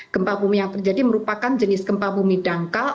kempa bumi yang terjadi merupakan jenis kempa bumi dangkal